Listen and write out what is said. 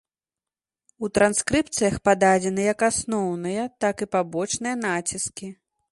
У транскрыпцыях пададзены як асноўныя, так і пабочныя націскі.